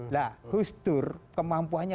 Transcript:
nah gustur kemampuannya